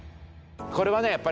これはね